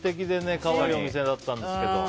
可愛いお店だったんですけど。